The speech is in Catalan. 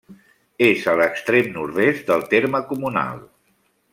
És a l'extrem nord-est del terme comunal.